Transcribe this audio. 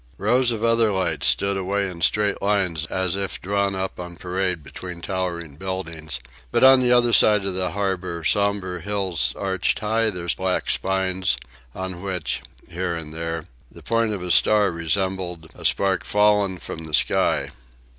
Rows of other lights stood away in straight lines as if drawn up on parade between towering buildings; but on the other side of the harbour sombre hills arched high their black spines, on which, here and there, the point of a star resembled a spark fallen from the sky.